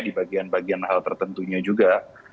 di bagian bagian hal tertentunya juga